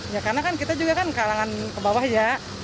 ya karena kan kita juga kan kalangan ke bawah ya